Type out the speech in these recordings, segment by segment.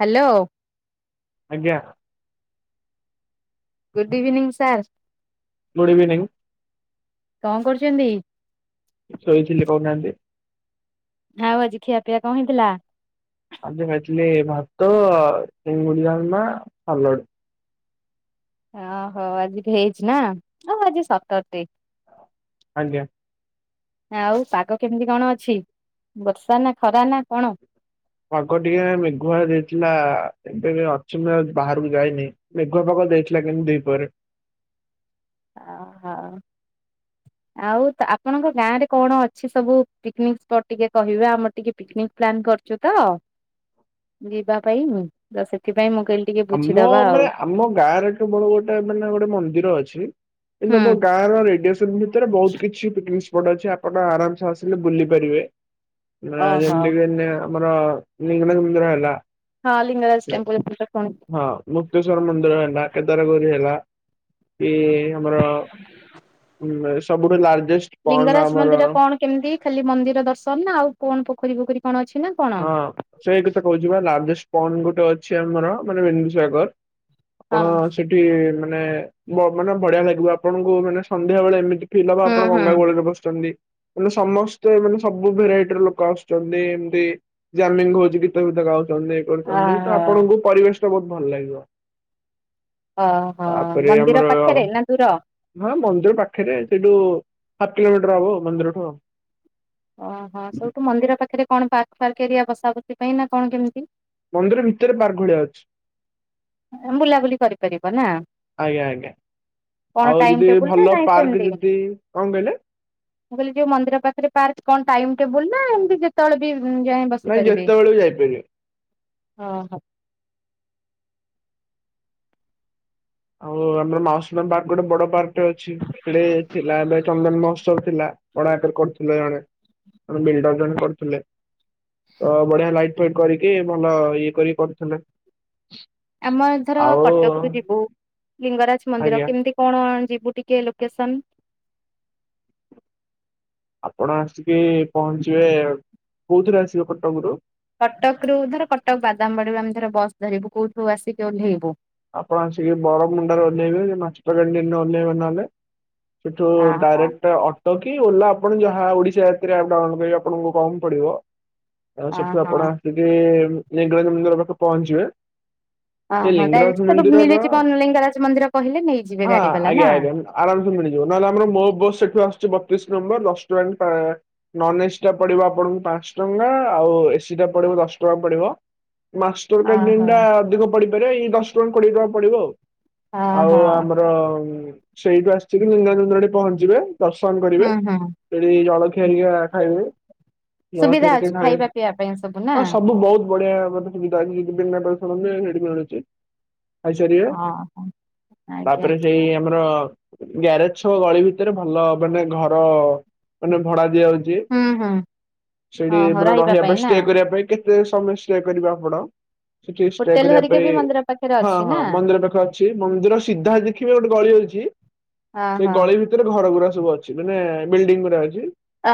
Hello. ଆଜ୍ଞା। Good evening sir. Good କଣ କରୁଛନ୍ତି? ଇଭିନିଂଙ୍ଗି ଶୋଇଥିଲି କହୁନାହାନ୍ତି। ଆଉ ଆଜି ଖିଆ ପିଆ କଣ ହେଇଥିଲା? ଆଜି ଖାଇଥିଲି ଏ ଭାତ ଚିଙ୍ଗୁଡି ଡାଲମା ସାଲଟ। ଓ ହୋ ଏମିତି ହେଇଛି ନାଁ ଓହୋ ଆଜି ସଟର ଡେ। ଆଜ୍ଞା। ଆଉ ପାଗ କେମିତି କଣ ଅଛି ବର୍ଷା ନାଁ ଖରା ନାଁ କଣ? ପାଗ ଟିକେ ମେଘୁଆ ଦେଇଥିଲା ଏବେ ବି ଅଛି ବାହାରକୁ ଯାଇନି ମେଘୁଆ ପାଗ ଦେଇଥିଲା କିନ୍ତୁ ଦିପହରେ। ହ ହୋ। ଆଉ ତ ଆପଣଙ୍କ ଗାଁ ରେ କଣ ଅଛି ସବୁ ପିକନିକ ସ୍ପଟ ଟିକେ କହିବବେ ଆମର ଟିକେ ପିକନିକ ପ୍ଲାନ୍ କର ଅଛି ତ ଯିବା ପାଇଁ ତ ସେଥିପାଇଁ କହିଲି ଟିକେ ଆମ ବୁଝିଦବା ଆଉ ମାନେ ଆମ ଗାଁରେ କେବଳ ଗୋଟେ ମାନେ ଗୋଟେ ମନ୍ଦିର ଅଛି। କିନ୍ତୁ ହୁଁ ମୋ ଗାଁ ର ରେଡିଏସନ ଭିତରେ ବହୁତ କିଛିି ପିକ ପଟ ଅଛି ଆପଣ ଆରାମସେ ଆସିଲେ ବୁଲି ପାରିବେ ନା ଓହୋ ଯେମତି କି ଆମର ଲିଙ୍ଗନାଜ ମନ୍ଦିର ହେଲା ହଁ ଲିଙ୍ଗରାଜ ଟେମ୍ପଲ ଶୁଣି ହଁ ମୁକ୍ତେଶ୍ଵର ମନ୍ଦିର ହେଲା କେଦାରଗୋଉରି ହେଲା ଏ ଆମର ସବୁଠୁ ଲାର୍ଜ ଲିଙ୍ଗରାଜ ମନ୍ଦିର କଣ କେମିତି ଖାଲି ମନ୍ଦିର ଦର୍ଶନ ଆଉ କଣ ପୋଖରୀ ପୋଖରୀ କଣ ଅଛି ନା କଣ? ହଁ ସେଇ କଥା କହୁଛିିବା ଲାର୍ଜେଷ୍ଟ ଗୋଟେ ଅଛି ଆମର ମାନେ ବିନ୍ଦୁସାଗର ହଁ ଆପଣ ସେଠି ମାନେ ମାନେ ବଢିଆ ଲାଗିବ ଆପଣଙ୍କୁ ମାନେ ସନ୍ଧ୍ୟା ବେଳେ ଏମିତି ଫିଲ ବା ହୁଁ ଆପଣ ହୁଁ। ଗଙ୍ଗାକୋଳରେ ବସିଛନ୍ତି। ମାନେ ସମସ୍ତେ ମାନେ ସବୁ ଭେରାଇଟିର ଲୋକ ଆସୁଛନ୍ତି ଏମତି ଜାମିଙ୍ଗ ହଉଛି ଗୀତ ଫିତ ଗାଉଛନ୍ତି ଏଇ କରୁଛନ୍ତି ତ ଓହୋ ଆପଣଙ୍କୁ ପରିବେଶ ବହୁତ ଭଲ ଲାଗିଵ। ଓ ହୋ ମନ୍ଦିର ପାଖରେ ନା ଦୂର? ହଁ ମନ୍ଦିର ପାଖରେ ସେଇଠୁ ହାଫ କିଲୋମିଟର ହବ ମନ୍ଦିରଠୁ। ଓହୋ ସୋଠୁ ମନ୍ଦିର ପାଖରେ କଣ ପାର୍କ ଫାର୍କ ଏରିଆ ବସା ବସି ପାଇଁ ନାଁ କଣ କେମିତି? ମନ୍ଦିର ଭିତରେ ପାର୍କ ଭଳିଆ ଅଛି। ବୁଲାବୁଲି କରିପାରିବ ନାଁ? ଆଜ୍ଞା ଆଜ୍ଞା ଆଉ ଯଦି ଭଲ ପାର୍କ ଯଦି କଣ କହିଲେ? ମୁଁ କହିଲି ଯୋଉଁ ମନ୍ଦିର ପାଖରେ ପାର୍କ କଣ ଟାଇମ୍ ଟେବୁଲ୍ ନାଁ ଏମତି ଯେତେବେଳେ ବି ଯାଇ ବସି ନାଇଁ ପାରିବେ ଯେତେବେଳେ ବି ଯାଇପାରିବେ। ଓହୋ। ଆଉ ଆମର ମାଉସୀମା ପାର୍କ ଗୋଟେ ବଡ ପାର୍କ ଅଛି ସେଟେ ଥିଲା ଏବେ ଚନ୍ଦନ ମହୋତ୍ସବ ଥିଲା। ବଡ଼ଆକାରେ କରୁଥିଲେ ଜଣେ ଜଣେ ବିଲଡର ଜଣେ କରୁଥିଲେ। ତ ବଢିଆ ଲାଇଟ୍ ଫଟ କରିକି ଭଲ ଇଏ କରିକି କରୁଥିଲେ। ଆମର ଧର ଆଉ କଟକ ରୁ ଯିବୁ ଲିଙ୍ଗରାଜ ମନ୍ଦିର ଆଜ୍ଞା କେମିତି କଣ ଯିବୁ ଟେ ଲୋକେସନ? ଆପଣ ଆସିକି ପହଞ୍ଚିବେ। କୋଉଥିରେ ଆସିବେ କଟକରୁ? କଟକ ରୁ ଧର କଟକ ବାଦାମ ବାଡ଼ିରୁ ଆମେ ଧର ବସ ଧରିବୁ କଉଠୁ ଆସିକି ଓହ୍ଲେଇବୁ। ଆପଣ ଆସିକି ବର ମୁଣ୍ଡାରେ ଓଲ୍ହେଇବେ ମାଷ୍ଟର କ୍ୟାଣ୍ଟିନରେ ଓଲ୍ହେଇବେ ନହେଲେ। ସେଠୁ ଆ ହା ଡାଇରେକ୍ଟ ଅ ତ କି ଓଲା ଆପଣ ଯାହା ଓଡିଶା ଯାତ୍ରୀ ଆପ୍ ଡାଉନଲୋଡ କରିବେ ଆପଣଙ୍କୁ କମ୍ ପଡିବ। ଆଉ ଆ ସେଠୁ ହଁ ଆପଣ ଆସିକି ଲିଙ୍ଗରାଜ ମନ୍ଦିର ପାଖରେ ପହଞ୍ଚିବେ। ହଁ ସେ ହଁ ଲିଙ୍ଗରାଜ ଡାଇରେଟ ମନ୍ଦିରର ନେଇଯିବେ ହଁ ଗାଡି ବାଲା ନା? ଆଜ୍ଞା ଆଜ୍ଞା ଆରାମସେ ମିଳିଯିବ ନହେଲେ ଆପଣଙ୍କୁ ବହୁତ। ସେଠୁ ଆସୁଛି ବ ଶ ନମ୍ ଦଶ ଟଙ୍କା ଆ ନନ୍ ଏସି ଟା ପଡିବ ଆପଣଙ୍କୁ ପାଞ୍ଚ ଟଙ୍କା ଆଉ ଏସି ଟା ପଡିବ ଦଶ ଟଙ୍କା ପଡ଼ିବ। ଓହୋ। ମାଷ୍ଟରକାଣ୍ଟିନ ଟା ଅଧିକ ପଡିପାରେ ଏଇ ଦଶ ଟଙ୍କା କୋଡିଏ ଟଙ୍କା ପଡିବ ଆଉ। ଆଉ ଓହୋ ଆମର ସେଇଠୁ ଆସିି ଚି ଲିଙ୍ଗରାଜ ମନ୍ଦିର ଆଡ଼େ ପହଞ୍ଚିବେ। ଦର୍ଶନ କରିବେ ହୁଁ ହୁଁ ସେଠି ଜଳଖିଆ ଆଜ୍ଞା ଖାଇବେ। ଜଳଖିଆ ସୁବିଧା ଟିକେ ଅଛି ଖାଇଲେ ଖାଇବା ପିଇବା ପାଇଁ ସବୁ ନା? ଆଁ ସବୁ ଭଲ। ବଢିଆ ମ ସୁବିଧା ଅଛି [unintelligible] ସେଠି ମିଳୁଛି। ଖାଇ ସାରିବେ ଓହୋ। ଆଜ୍ଞା ତାପରେ ସେଇ ଆମର। ଗ୍ୟାରେଜ ଛକ ଗଳି ଭିତରେ ଭଲ ମାନେ ଘର ମାନେ ଭଡା ଦିଆହଉଛି। ଜି ହୁଁ ହୁଁ ସେଠି ମାନେ ରହିବା ପାଇଁ ଷ୍ଟେ କରିବା ପାଇଁ ଟି ତେ ସମୟ ଷ୍ଟେ କରିବେ ଆପଣ ସେଠି ଷ୍ଟେ ହୋଟେଲ କରିବା ହରିକା ପାଇଁ ବି ମନ୍ଦିର ପାଖରେ ହଁ ଅଛି ହଁ ନା? ମନ୍ଦିର ପାଖରେ ଅଛି ମନ୍ଦିର ସିଧା ଦେଖିବେ ଗୋଟେ ଗଳି ଅଛି ସେଇ ଓହୋ ଗଳି ଭିତରେ ଘର ଗଡା ସବୁ ଅଛି ମାନେ ବିଲ୍ଡିଙ୍ଗ ଗୁଡା ଅଛି।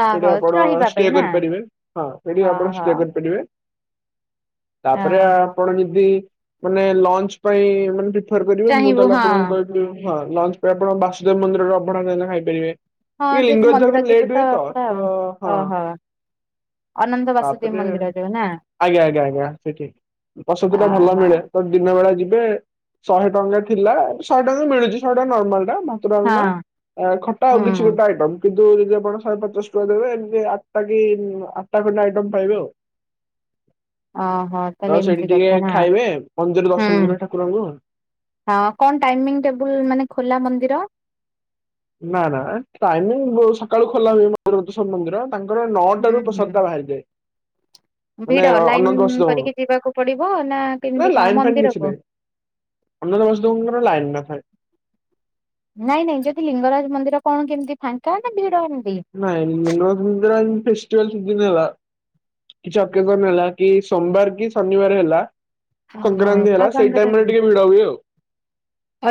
ଓହୋ ଆପଣ ରହିବା ପାଇଁ ଷ୍ଟେ ନା କରିପାରିବେ ହଁ ସେଠି ଆପଣ ଓହୋ। ଷ୍ଟେ କରିପାରିବେ। ତାପରେ ଓହୋ ଆପଣ ଯଦି ମାନେ ଲଞ୍ଚ ପାଇଁ ମାନେ ଟି ପ୍ରିଫର୍ କରିବେ ମୁଁ ଚାହିଁବୁ ତାହଲେ ହଁ ଆପଣଙ୍କୁ କହିପାରିବି ହଁ ଲଞ୍ଚ ପାଇଁ ଆପଣ ବାସୁଦେବ ମନ୍ଦିରରେ ଅଭଢା ଡାଲମା ଖାଇପାରିବେ। ହଁ ଟିକ ଯେହେତୁ ଲିଙ୍ଗଜ ଜ ମନ୍ଦିର କଣ ଯିବୁ ଲେଟ ହୋଇ ତ ପୁରା ଆଉ। ତ ହଁ। ଓହୋ ଅନନ୍ତ ବାସୁଦେବ ତାପରେ ମନ୍ଦିର ଯୋଉ ନା ଆଜ୍ଞା ଆଜ୍ଞା ଆଜ୍ଞା ସେଠି। ବସତି ଟା ଭଲ ଓହୋ ମିଳେ ତ ଦିନ ବେଳେ। ଯିବେ ଶହେ ଟଙ୍କା ଥିଲା ଏବେ ଶହେ ଟଙ୍କା ମିଳୁଛି ଶହେ ଟଙ୍କା ନର୍ମାଲ। ଆଁ ଭାତ ଡ଼ାଲମା ହଁ। ଆ ଖଟା ଆଉ କିଛି ହୁଁ ଗୋଟେ ଆଇଟମ୍। ଯଦି ଆପଣ ଶହେ ପଚାଶ ଟଙ୍କା ଦେବେ ଏମିତି ଆଠଟା କି ଆଠଟା ଖଣ୍ଡେ ଆଇଟମ୍ ପାଇବେ ଆଉ। ଓହୋ ତ ତାହେଲେ ସେଇଠି ଏମିତି ଟିକେ କଥା ନା ଖାଇବେ ମନ୍ଦିର ହୁଁ। ଦର୍ଶନ କରିବେ ଠାକୁରଙ୍କୁ ହଁ କଣ ଟାଇମିଂ ଟେବୁଲ୍ ମାନେ ଖୋଲା ମନ୍ଦିର? ନା ନା ଏ ଟାଇମିଂ ବହୁତ୍ ସକାଳୁ ଖୋଲା ହୁଏ ସବୁ ମନ୍ଦିର। ତାଙ୍କର ନଅଟା ହୁଁ ରୁ ହୁଁ। ପ୍ରସାଦଟା ବାହାରିଯାଏ। ମାନେ ଭିଡ ଅନନ୍ତ ଲାଇନ ବସୁଦେବଙ୍କର କରିକି ଯିବାକୁ ପଡିବ, ନା କେମିତି କଣ ମନ୍ଦିରକୁ? ଅନ୍ୟ ସମସ୍ତଙ୍କର ଲାଇନ ନଥାଏ। ନାଇଁ ନାଇଁ ଯଦି ଲିଙ୍ଗରାଜ ମନ୍ଦିର କଣ କେମିତି ଫାଙ୍କା ନା ଭିଡ। ନାଇଁ ଲିଙ୍ଗରାଜ ମନ୍ଦିର ଏମିତି ଫେଷ୍ଟିଭାଲ ସିଜିନ ହେଲା। କିଛି ଅକେଜନ ହେଲା କି ସୋମବାର କି ଶନିବାର ହେଲା। ଓହୋ ସଂକ୍ରାନ୍ତି ହେଲା ସେଇ ବାବାଙ୍କର ଟାଇମ ରେ ଟିକେ ଭିଡ ହୁଏ ଆଉ।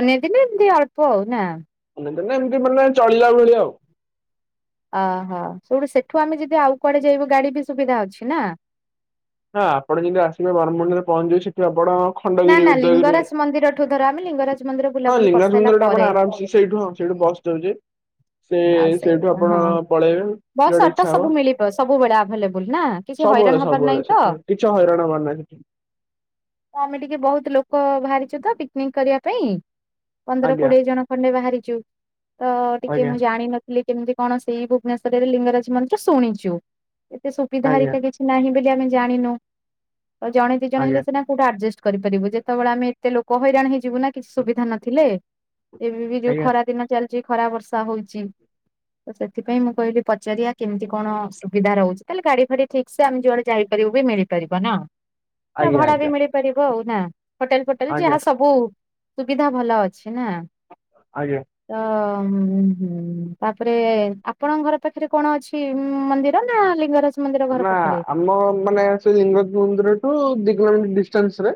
ଅନ୍ୟ ଦିନେ ଏମିତି ଅଳ୍ପ ଆଉନା। ନା ଏମିତି ମାନେ ଚଳିଲା ଭଳି ଆଉ। ଓହୋ ସେଇଠୁ ସେଠୁ ଆମେ ଯଦି ଆଉ କୁଆଡେ ଯାଇବୁ ଗାଡି ବି ସୁବିଧା ଅଛି ନା। ହଁ ଆପଣ ଯେମିତି ଆସିବେ ବରମୁଣ୍ଡାରେ ପହଞ୍ଚିବେ ସେଠି ଆପଣ। ନା ଖଣ୍ଡଗିରି ନା ଉଦୟଗିରି ଲିଙ୍ଗରାଜ ମନ୍ଦିରଠୁ ଧର ଆମେ ଲିଙ୍ଗରାଜ ମନ୍ଦିର ହଁ ବୁଲାବୁଲି ଲିଙ୍ଗରାଜ କରିସାରିଲା ମନ୍ଦିର ଟା ପରେ ଆପଣ ଆରାମସେ ସେଇଠୁ ହଁ ସେଇଠୁ। ବସ୍ ଯାଉଛି। ସେ ଆଉ ସେଇଠୁ ସେଇଟା ଆପଣ ହଁ ପଳେଇବେ ବସ ଯୁଆଡେ ଅଟୋ ଇଚ୍ଛା ହବ। ସବୁ ମିଳିବ ସବୁବେଳେ ଆଭେଲେବୁଲ ନା। କିଛି ସବୁବେଳେ ହଇରାଣ ହବାର ସବୁବେଳେ ନାହିଁ ତ? ସେଠି କିଛି ହଇରାଣ ହବାର ନାହିଁ ସେଠି ଆମେ ଟିକେ ବହୁତ ଲୋକ ବାହାରି? ପିକନିକ କରିବା ପାଇଁ ପନ୍ଦର ଆଜ୍ଞା କୋଡିଏ ଜଣ ଖଣ୍ଡେ ବାହାରିଛୁ ତ ଟିକେ ଆଜ୍ଞା ମୁ ଜାଣିିନଥିଲି କେମିତି କଣ ସେଇ ଭୁବନେଶ୍୍ୱରରେ ଲିଙ୍ଗରାଜ ମନ୍ଦିର ଶୁଣିଛୁ। ଏତେ ସୁବିଧା ଆଜ୍ଞା ହରିକା କିଛି ନାହିଁ ବୋଲି ଆମେ ଜାଣିନୁ। ତ ଜଣେ ଦି ଜଣେ ଆଜ୍ଞା ହେଲେ ସେନା କୋଉଠୁ ଆଡଜଷ୍ଟ କରିାରିବ ଯେତେଳେ ଆମେ ଏତେ ଲୋକ ହଇରାଣ ହେଇ ଯିବୁ ନା କିଛି ସୁବିଧା ନଥିଲେ। ଏବେ ବି ଯୋଉ ଆଜ୍ଞା ଖରା ଦିନ ଚାଲିଛି ଖରା ବର୍ଷା ହଉଛି। ତ ସେଥିପାଇଁ ମୁଁ କହିଲି ପଚାରିବା କେମିତି କଣ ସୁବିଧା ରହୁଛି ତାହେଲେ ଗାଡି ଫାଡି ଠିକ ସେ ଆମେ ଯୁଆଡେ ଯାଇପାରିବୁ ବି ମିଳିପାରିବ ନା [unintelligible] [inaudible] ତା ଆଜ୍ଞା ଭଡା ବି ଆଜ୍ଞା ମିଳିପାରିବ ଆଉ ନା ହୋଟେଲ ଫୋଟେଲ ଆଜ୍ଞା ଆଜ୍ଞା ଯାହା ସବୁ ସୁବିଧା ଭଲ ଅଛି ନା ଆଜ୍ଞା ତ ହୁଁ, ତାପରେ ଆପଣଙ୍କ ଘର ପାଖରେ କଣ ଅଛି ମନ୍ଦିର ନା ଲିଙ୍ଗରାଜ ମନ୍ଦିର ଘର ନା ପାଖରେ? ଆମ ମାନେ ସେ ଲିଙ୍ଗଜ ମନ୍ଦିରଠୁ ଦି କିଲୋମିଟର ଡିଷ୍ଟାନ୍ସ ରେ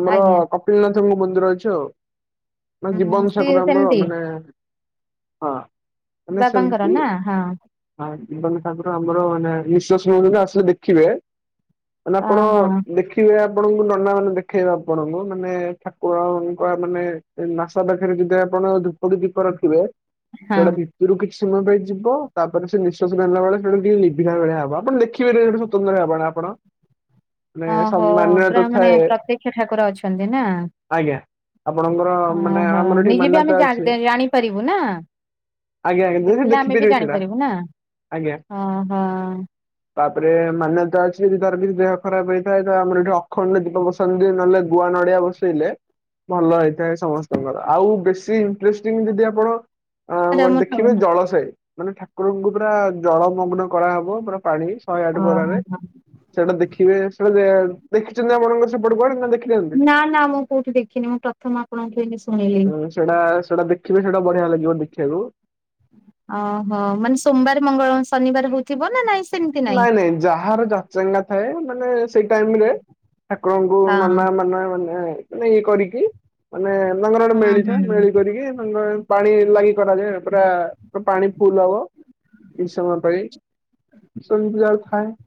ଆମର ଆଜ୍ଞା କପିିଲନାଥଙ୍କ ମନ୍ଦିର ଅଛି ଆଉ ମ ଉଁ ଜୀବନ ସିଏ ସକୁରେ ଆମର ସେମିତି ମାନେ, ହଁ ମାନେ ବାପାଙ୍କର ସେମିତି ନା, ହଁ ହଁ ଜୀବନ ଠାକୁର ଆମର ମାନେ, ନିଶଵାସ ନଉଛନ୍ତି ଆସିଲେ ଦେଖିବେ। ମାନେ, ଆପଣ ଓହୋ ଦେଖିବେ? ଆପଣଙ୍କୁ ନନା ମାନେ ଦେଖେଇବା ଆପଣଙ୍କୁ, ମାନେ ଠାକୁରଙ୍କ ମାନେ ନାସା ପାଖରେ ଯଦି ଆପଣ ଆପଣ ଧୂପୁଡି ଦୀପ ରଖିବେ, ହଁ ସେଇଟା ଭିତରୁ କିଛି ସମୟ ପାଇଁ ଯିବ ତାପରେ ସେ ନିଶ୍ୱଵାସ ନେଲା ବେଳେ ସେ ଟିକେ ଲିଭିିଲା ଭଳିଆ ହବ, ଆପଣ ଦେଖିବେନି ସେଟା ସ୍ୱତନ୍ତ୍ର ହେବନି ଆପଣ ମାନେ ଓହୋ, ପୁରା ମାନ୍ୟତା ଥାଏ ମାନେ ପ୍ରତ୍ୟକ୍ଷ ଠାକୁର ଅଛନ୍ତି ନା ଆଜ୍ଞା ଆପଣଙ୍କର ମାନେ, ଓହୋ ଆମର ଏଠି ନିଜେ ବି ଆମେ ମାନ୍ୟତା ଜା ଅଛି ଜାଣିପାରିବୁ ନା ଆଜ୍ଞା, ଆଜ୍ଞା ଦେ [unintelligible] ସେ ଦେଖିଲେ ଆମେ ବି ଦେଖିପାରିବେ ସେଇଟା। ଜାଣିପାରିବୁ ନା ଆଜ୍ଞା, ଓହୋ ତାପରେ ମାନ୍ୟତା ଅଛି କାର ବି ଦେହ ଖରାପ ହେଇଥାଏ ତ, ଆମର ଏଠି ଅଖଣ୍ଡରେ ଦୀପ ବସାନ୍ତି, ନହେଲେ ଗୁଆ ନଡିଆ ବସେଇଲେ ଭଲ ହେଇଥାଏ ସମସ୍ତଙ୍କର ଆଉ ବେଶୀ ଇଣ୍ଟେଷ୍ଟିଙ୍ଗ ଯଦି ଆପଣ ଆ ଦେଖିବେ ଜଳସୟ ମାନେ ଠାକୁରଙ୍କୁ ପୁରା ଜଳମଗ୍ନ କରାହବ ପୁରା ପାଣି, ଶହେ ଆଠ ଓହୋ ଗରାରେ ସେଇଟା ଦେଖିବେ, ସେଟା ଦେଖିଛନ୍ତି ଆପଣଙ୍କର ସେପଟ କୁ ନା ଦେଖିନାନ୍ତି? ନା ନା ମୁଁ କୋଉଠି ଦେଖିନି ମୁଁ ପ୍ରଥମ ଆପଣ? ସେଟା, ସେଟା ଦେଖିବେ, ସେଇଟା ବଢିଆ ଲାଗିବ ଦେଖିବାକୁ ଓହୋ, ମାନେ ସୋମବାର ମଙ୍ଗଳ ଶନିବାର ହଉଥିବ ନା, ନାଇଁ ସେମିତି ନାଇଁ ଚଙ୍ଗା [unintelligible] ଥାଏ ମାନେ ସେଇ ଟାଇମ ରେ ଠାକୁରଙ୍କୁ ହଁ ନନା ମାନ ମାନେ ଇଏ କରିକି, ମାନେ ତାଙ୍କର ଗୋଟେ ହୁଁ ମେଳିଥାଏ, ହୁଁ ମେଳି କରିକି ତାଙ୍କର ପାଣି ଲାଗି କରାଯାଏ, ପୁରା ପାଣି ଫୁଲ ହବ କିଛି ସମୟ ପାଇଁ ସବ ବଜାରଥାଏ [unintelligible]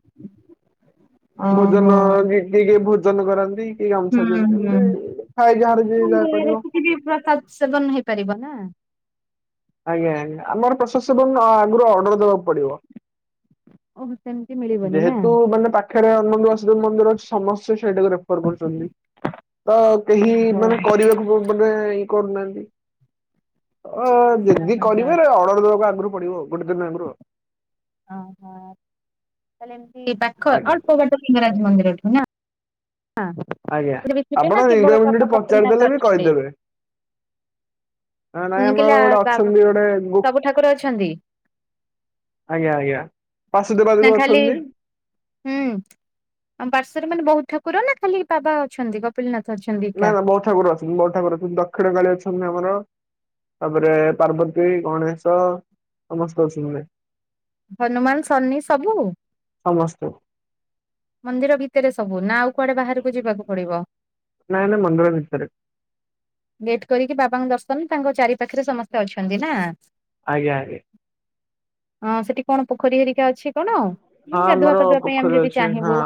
ଓହୋ ଭୋଜନ କି କି ଭୋଜନ କରାନ୍ତି? କିଏ ହୁଁ ଗାମୁଛା ଡ଼ି ହୁଁ। ଦିଅନ୍ତି, ଏମତି ଥାଏ ଯାହାର ଯ ସେ ଯାହା କରିବ [unintelligible] ପ୍ରସାଦ ସେବନ ହେଇପାରିବ ନା। ଆଜ୍ଞା, ଆଜ୍ଞା, ଆମର ପ୍ରସାଦସେବନ ଆଗରୁ ଅର୍ଡର ଦବାକୁ ପଡିବ। ଓହୋ ସେମିତି ମିଳିବନି ନା ଯେହେତୁ ମାନେ ପାଖରେ ଅଣ୍ଡ ଆସ ମନ୍ଦିର ଅଛି ସମସ୍ତେ ସେଇଟାକୁ ରେଫର୍ କରୁଛନ୍ତି। ତ କେହି ଓହୋ ମାନେ, କରିବାକୁ ମାନେ ଯି କର [unintelligible] ଓହୋ। ଆମର ପଡିବ, ଗୋଟେ ଦିନ ଆଗରୁ ଓହୋ, ତାହଲେ ଏମତି ପାଖ ଆଜ୍ଞା। ଅଳ୍ପ ବାଟ ସିଙ୍ଗରାଜ ମନ୍ଦିରଠୁ ନା ଆଜ୍ଞା, ଥିବେ ନା ଆପଣ କେବଳ ଗ ବାବା [unintelligible] କପିଳନାଥ ପଚାରିଦେଲେ ବି ଅଛନ୍ତି? କହିଦେବେ। ନା ନାଇଁ ମୁଁ କହିଲି ଆମର ଆ ଗୋଟେ ବା ଅଛନ୍ତି ଗୋଟେ ସବୁ ଠାକୁର ଅଛନ୍ତି ଆଜ୍ଞା ଆଜ୍ଞା। ବାସୁଦେବାଜ ନା ବି ଖାଲି, ଅଛନ୍ତି ହୁଁ ଆମ ପାର୍ଶ୍ଵରେ ମାନେ ବହୁତ ଠା କର, ନା ଖାଲି ବାବା ଅଛନ୍ତି, ନା କପିଲନା ନାଇଁ ନା ବୋଉ ଠାର ଅଛନ୍ତି, ବୋଉ ଠାର ଅଛନ୍ତି ଦକ୍ଷିଣ କାଳି ଅଛନ୍ତି ଆମର। ତାପରେ ପାର୍ବତୀ ଗଣେଶ ସମସ୍ତେ ଅଛନ୍ତି। ହନୁମାନ, ଶନି ସବୁ। ହ [unintelligible] ମନ୍ଦିର ଭିତରେ ସବୁ ନା ଆଉ କୁଆଡେ ବାହାରକୁ ଯିବାକୁ ପଡିବ। ନାଇଁ ନାଇଁ ମନ୍ଦିର ଭିତରେ ନେଟ କରିକି ବାବାଙ୍କ ଦର୍ଶନ ତାଙ୍କ ଚାରି ପାଖରେ ସମସ୍ତେ ଅଛନ୍ତି ନା। ଆଜ୍ଞା ଆଜ୍ଞା। ହଁ ସେଠି କଣ ପୋଖରୀ ହେରି ତେ ଅଛି କଣ ହଁ ଉଁ ଆମର ଗାଧୁଆ ପାଧୁବା ପାଇଁ ପୋଖରୀ ଆମେ ଯଦି ଅଛି ହଁ। ଚାହିଁବୁ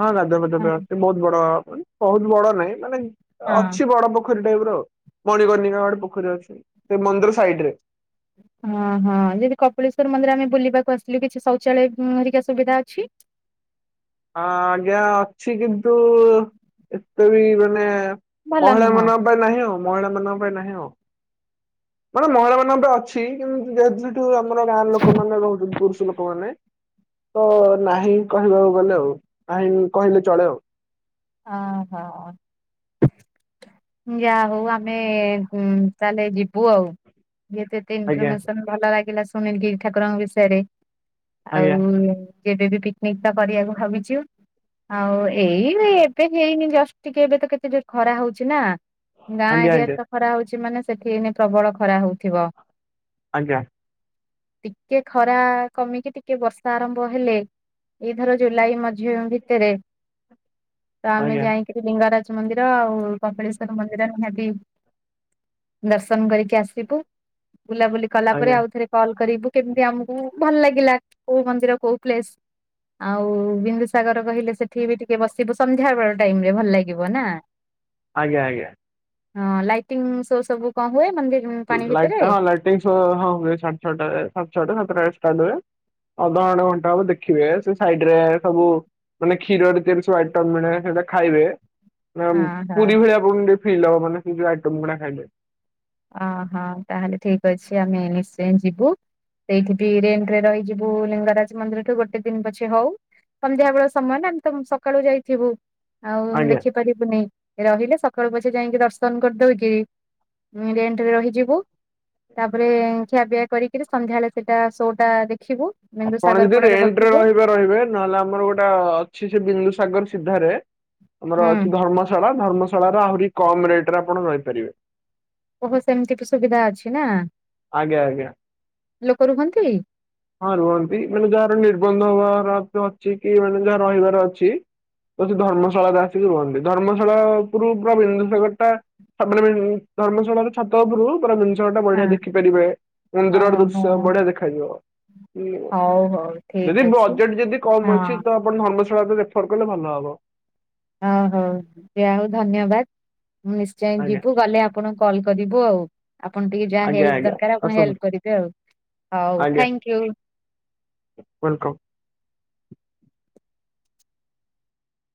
ହଁ ଗାଧୁଆ ପାଧୁଆ ହଁ ପାଇଁ ଅଛି ବହୁତ ବଡ ମାନେ ବହୁତ ବଡ ନାଇଁ ମାନେ ହଁ। ଅଛି ବଡ ପୋଖରୀ ଟାଇପ ର। ମଣିକର୍ନିକା ଆ ଗୋଟେ ପୋଖରୀ ଅଛି ସେ ମନ୍ଦିର ସାଇଡ ରେ। ହଁ ହଁ ଯେନ୍ତି କପିଳେଶ୍ଵର ମନ୍ଦିର ଆମେ ବୁଲିବାକୁ ଆସିଥିଲୁ କିଛି ଶୌଚାଳୟ ହରିକା ସୁବିଧା ଅଛି। ହ ଆଜ୍ଞା ଅଛି କିନ୍ତୁ ଏତେ ବି ମାନେ ଭଲ ମହିଳା ନୁହଁ ମାନଙ୍କ ପାଇଁ ନାହିଁ ଆଉ ମହିଳା ମାନଙ୍କ ପାଇଁ ନାହିଁ ଆଉ। ମାନେ ମହିଳା ମାନଙ୍କ ପାଇଁ ଅଛି କିନ୍ତୁ ଯେହେତୁ ସେଠୁ ଆମର ଗାଁ ର ଲୋକମାନେ ରହୁଚନ୍ତି ପୁରୁଷ ଲୋକ ମାନେ ତ ନାହିଁ କହିବାକୁ ଗଲେ ଆଉ। ନାହିଁ କହିଲେ ଚଳେ ଆଉ। ଆ ହୋ। ଯାହା ହଉ ଆମେ ଉଁ ତା ହେଲେ ଯିବୁ ଆଉ। ଯେ ଏତେ ଆଜ୍ଞା ଇନଫର୍ମେସନ ଭଲ ଲାଗିଲା ଶୁଣିଲି ଠାକୁରଙ୍କ ବିଷୟରେ। ଆଜ୍ଞା ଆଉ। ଯେବେ ବି ପିକନିକ୍ ଟା କରିବାକୁ ଭାବିଚୁ ଆଉ ଏଇ ରେ ଏବେ ହେଇନି ଜଷ୍ଟ ଟିକେ ଏବେ ତ କେତେ ଜୋରେ ଖରା ହଉଚି ନା ଗାଁ ଆଜ୍ଞା ଏରିଆରେ ଆଜ୍ଞା ତ ଖରା ହଉଚି ମାନେ ସେଠି ଏଇନେ ପ୍ରବଳ ଖରା ହଉଥିବ। ଆଜ୍ଞା। ଟିକେ ଖରା କମିକି ଟିକେ ବର୍ଷା ଆରମ୍ଭ ହେଲେ ଏଇ ଧର ଜୁଲାଇ ମଝି ଭିତରେ ତ ଆମେ ଆଜ୍ଞା ଆଜ୍ଞା ଯାଇକିରି ଲିଙ୍ଗରାଜ ମନ୍ଦିର ଆଉ କପଳେଶ୍ଵର ମନ୍ଦିର ହେବି ଦର୍ଶନ କରିକି ଆସିବୁ। ବୁଲାବୁଲି କଲା ପରେ ଆଜ୍ଞା ଆଉ ଥରେ କଲ୍ କରିବୁ କେମିତି ଆମକୁ ଭଲ ଲାଗିଲା କୋଉ ମନ୍ଦିର କୋଉ ପ୍ଲେସ୍। ଆଉ ବିନ୍ଦୁସାଗର କହିଲେ ସେଠି ବି ଟିକେ ବସିବୁସ ସନ୍ଧ୍ୟାବେଳ ଟାଇମରେ ଭଲ ଲାଗିବ ନା? ଆଜ୍ଞା ଆଜ୍ଞା। ହଁ ଲାଇଟିଙ୍ଗ ସୋ ସବୁ କଣ ହୁଏ? ମନ୍ଦିର ପାଣି ଭିତରେ ଲାଇଟ୍ ହଁ ଲାଇଟିଙ୍ଗ ସୋ ହଁ ହୁଏ ସାଡେ ଛଅ ଏ ସାଡେ ଛଟା ସାତଟା ରେ ଷ୍ଟାର୍ ହୁଏ। ଅଧ ଘଣ୍ଟେ ଘଣ୍ଟା ହବ ଦେଖିବେ ସେ ସାଇଟ୍ ରେ ସବୁ ମାନେ କ୍ଷୀରରେ ତିଆରି ସବୁ ଆଇଟମ ମିଳେ ସେଟା ଖାଇବେ। ନା ମ୍ ହଁ ହଁ। ପୁରୀ ଭଳିଆ ଭୁବନ ଟିକେ ଫିଲ୍ ହବ ମାନେ ସେ ଯୋଉ ଆଇଟମ ଗୁଡ଼ା ଖାଇଲେ। ଓଃହୋ ତାହେଲେ ଠିକ ଅଛି, ଆମେ ନିଶ୍ଚୟ ଯିବୁ। ସେଇଠି ବି ରେଣ୍ଟ୍ ରେ ରହିଯିବୁ ଲିଙ୍ଗରାଜ ମନ୍ଦିର ଠୁ ଗୋଟେ ଦିନ ପଛେ ହଉ। ସନ୍ଧ୍ୟାବେଳ ସମୟ ନା ଆମେ ତମ ସକାଳୁ ଯାଇଥିବୁ। ଆଉ ଆଜ୍ଞା। ଦେଖିପାରିବୁନି ରହିଲେ ସକାଳୁ ପଛେ ଯାଇକି ଦର୍ଶନ କରିଦଉ କିି ଉଁ ରେଣ୍ଟରେ ରହିଯିବୁ ତା ପରେ ଖିଆପିଆ କରିକିରି ସନ୍ଧ୍ୟାବେଳେ ସେଟା ସୋ ଟା ଦେଖ୍ ଆପଣ ଯଦି ରେଣ୍ଟରେ ରହିବେ ରହିବେ ନହେଲେ ଆମର ଗୋଟେ ଅଛି ସେ ବିନ୍ଦୁସାଗର ସିଧାରେ ଆମର ହୁଁ। ଅଛି ଧର୍ମଶାଳା ଧର୍ମଶାଳା ର ଆହୁରି କମ ରେଟ୍ ରେ ଆପଣ ରହିପାରିବେ। ଓଃହ ସେମିତି ବି ସୁବିଧା ଅଛି ନା ଆଜ୍ଞା ଆଜ୍ଞା। ଲୋକ ରୁହନ୍ତି? ହଁ ରୁହନ୍ତି ମାନେ ଯାହାର ନିର୍ବନ୍ଧ ହବାର ଅ ଅଛି କି ମାନେ ଯାହା ରହିବାର ଅଛି ତ ସେ ଧର୍ମଶାଳାରେ ଆସିକି ରୁହନ୍ତି। ଧର୍ମଶାଳା ଉପୁରୁ ପୁରା ବନ୍ଦସାଗର ଟା ସାମ୍ନା ମ ଧର୍ମଶାଳାର ଛାତ ଉପୁରୁ ପୁରା ବିନ୍ଦୁ ସାଗର ଟା ପୁରା ହଁ। ବଢିଆ ଦେଖିପାରିବେ। ମନ୍ଦିରର ଓହୋ ଦୃଶ୍ୟ ବଢିଆ ଦେଖାଯିବ। ଉଁ ହଉ ହଉ ଠିକ ଯଦି ଅଛି ବଜେଟ୍ ଯଦି କମ ଅଛି ହଁ। ତ ଆପଣ ଧର୍ମଶାଳା ତ ରେଫର୍ କଲେ ଭଲ ହବ। ଓଃ ହଉ ଯା ହଉ ଧନ୍ୟବାଦ। ମୁଁ ନିଶ୍ଚୟ ଆଜ୍ଞା ଯିବୁ ଗଲେ ଆପଣଙ୍କୁ କଲ୍ କରିବୁ ଆଉ। ଆପଣ ଟିକେ ଯା ଆଜ୍ଞା ହେଲ୍ପ ଆଜ୍ଞା ଦରକାର ଆପଣ ହେଲ୍ପ ଆସନ୍ତୁ କରିବେ ଆଉ। ହଉ ଆଜ୍ଞା ଥ୍ୟାଙ୍କୟୁ। ୱେଲକମ୍।